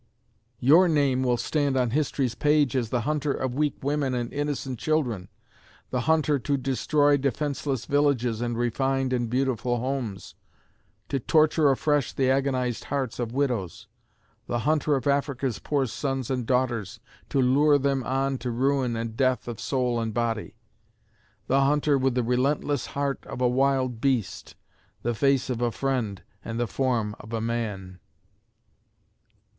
Your name will stand on history's page as the Hunter of weak women and innocent children; the Hunter to destroy defenseless villages and refined and beautiful homes to torture afresh the agonized hearts of widows; the Hunter of Africa's poor sons and daughters, to lure them on to ruin and death of soul and body; the Hunter with the relentless heart of a wild beast, the face of a fiend and the form of a man.